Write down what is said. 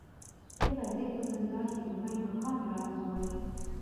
د غزې په زندان کې د میندو حال راته وایي.